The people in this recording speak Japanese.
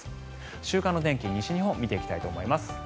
週間の天気、西日本見ていきたいと思います。